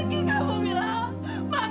syukur dulu mama